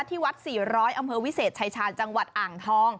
ที่วัด๔๐๐อำเภอวิเศษชายชาญจังหวัดอ่างทอง